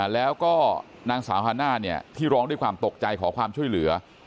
แล้วก็นางสาวฮาน่าที่ร้องด้วยความตกใจขอความช่วยเหลือ